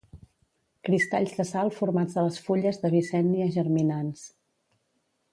Cristalls de sal formats a les fulles d'Avicennia germinans